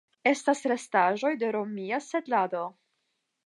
Estas restaĵoj de romia setlado.